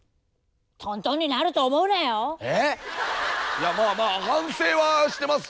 いやまあまあ反省はしてます